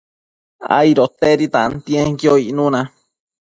aidotedi tantienquio icnuna